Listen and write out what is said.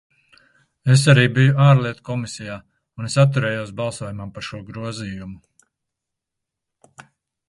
Es arī biju Ārlietu komisijā, un es atturējos balsojumā par šo grozījumu.